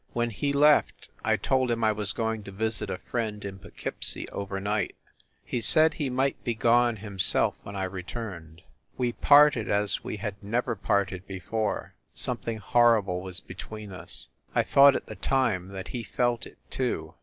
When he left I told him I was going to visit a friend in Pough keepsie over night. He said he might be gone him self when I returned. We parted as we had never parted before something horrible was between us I thought at the time that he felt it too.